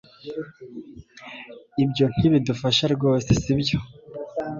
ibyo ntibidufasha rwose, sibyo